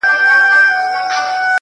زه د ساقي تر احترامه پوري پاته نه سوم~